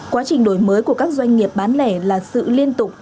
quá trình đổi mới của các doanh nghiệp bán lẻ là sự liên tục